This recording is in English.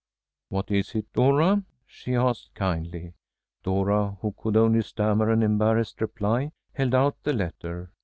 "What is it, Dora?" she asked, kindly. Dora, who could only stammer an embarrassed reply, held out the letter.